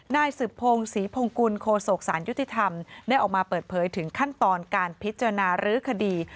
นายสืบพงศรีพงกุลโคศกสารยุติธรรมได้ออกมาเปิดเผยถึงขั้นตอนการพิจารณารื้อคดี